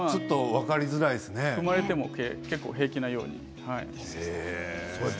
踏まれても平気なように。